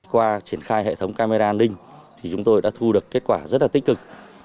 qua triển khai hệ thống camera an ninh thì chúng tôi đã thu được kết quả rất là tích cực